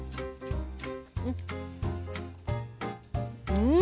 うん！